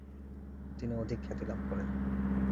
তিনি অধিক খ্যাতিলাভ করেন।